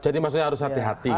jadi maksudnya harus hati hati gitu